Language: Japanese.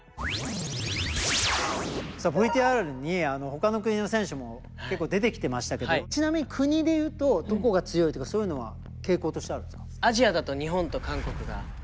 さあＶＴＲに他の国の選手も結構出てきてましたけどちなみに国で言うとどこが強いとかそういうのは傾向としてあるんですか？